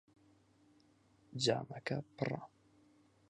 جامەکە پڕە.